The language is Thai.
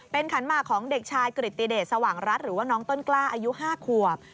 เป็นขันหมากของเด็กชายกริตติเดชสว่างรัฐหรือว่าน้องต้นกล้าอายุ๕ขวบ